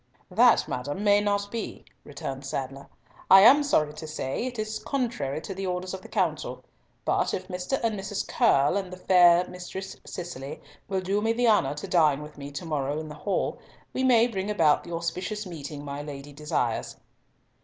"That, madam, may not be," returned Sadler. "I am sorry to say it is contrary to the orders of the council, but if Mr. and Mrs. Curll, and the fair Mistress Cicely, will do me the honour to dine with me to morrow in the hall, we may bring about the auspicious meeting my Lady desires."